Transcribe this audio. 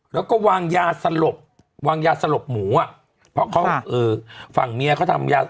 แล้วก็วางยาสลบวางยาสลบหมูอ่ะเพราะเขาเอ่อฝั่งเมียเขาทำยา